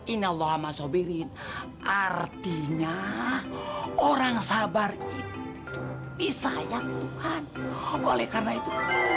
inna allaha maasabirin artinya orang sabar itu disayang tuhan boleh karena itu